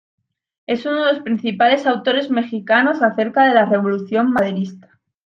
Es uno de los principales autores mexicanos acerca de la Revolución maderista.